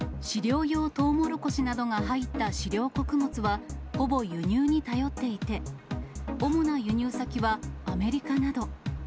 飼料用トウモロコシなどが入った飼料穀物はほぼ輸入に頼っていて、主な輸入先はアメリカなど。